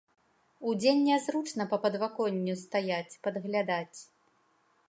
Удзень нязручна па падвоканню стаяць, падглядаць.